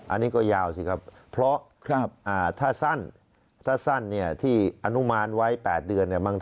อันนี้ก็ยาวสิครับเพราะถ้าสั้นที่อนุมานไว้๘เดือน